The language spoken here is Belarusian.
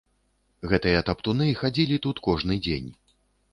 Гэтыя таптуны хадзілі тут кожны дзень.